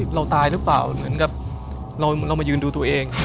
เราตายหรือเปล่าเหมือนกับเรามายืนดูตัวเอง